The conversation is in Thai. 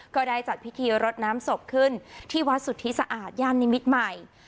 ก็ได้จัดพิธีรดน้ำศพขึ้นที่วัดสุทธิสะอาดย่านนิมิตรใหม่